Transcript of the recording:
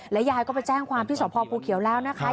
ยายก็ไปแจ้งความที่สพภูเขียวแล้วนะคะ